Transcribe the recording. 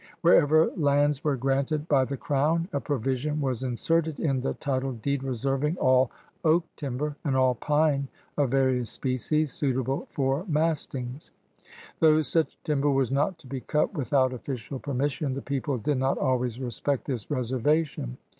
Wherever lands were granted by the Crown, a provision was inserted in the title deed reserving all oak timber and all pine of various species suitable for mastings. Though such timber was not to be cut without official permission, the people did not always respect this reservation.